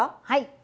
はい。